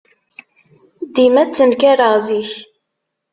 Dima ttenkareɣ zik.